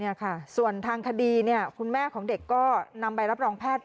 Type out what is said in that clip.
นี่ค่ะส่วนทางคดีเนี่ยคุณแม่ของเด็กก็นำใบรับรองแพทย์